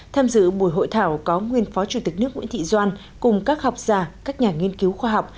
tham dự buổi hội thảo có nguyên phó chủ tịch nước nguyễn thị doan cùng các học giả các nhà nghiên cứu khoa học